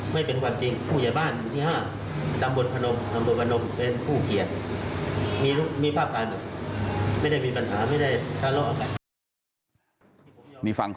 ไม่เป็นความจริงผู้ใหญ่บ้านวันที่๕